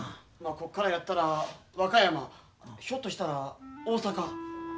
こっからやったら和歌山ひょっとしたら大阪。